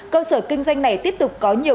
cơ sở kinh doanh này tiếp tục có nhiều